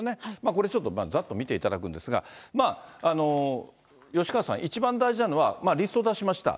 これ、ちょっとざっと見ていただくんですが、吉川さん、一番大事なのは、リスト出しました、